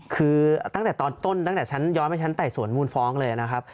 คือตั้งแต่ตอนต้นตั้งแต่ชั้นย้อนไปชั้นไต่สวนมูลฟ้องเลยนะครับ